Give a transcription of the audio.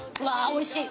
おいしい。